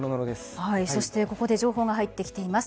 ここで情報が入ってきています。